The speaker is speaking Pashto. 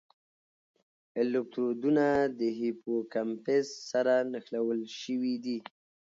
الکترودونه د هیپوکمپس سره نښلول شوي دي.